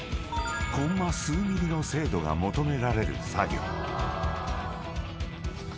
［コンマ数ミリの精度が求められる作業］